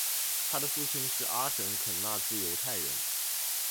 他的父亲是阿什肯纳兹犹太人。